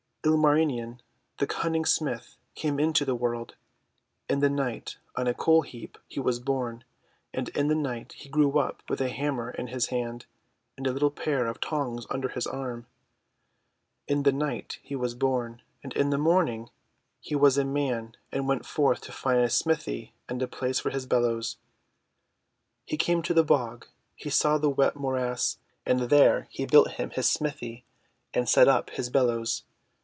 Ilmarinen the Cunning Smith came into the world. In the night, on a coal heap, was he born, and in the night he grew up with a hammer in his hand and a little pair of tongs under his arm. In the night was he born, and in the morning he WHY UNLUCKY IRON KILLS 291 was a man and went forth to find a smithy and a place for his bellows. He came to the bog; he saw the wet morass, and there he built him his smithy and set up his bellows.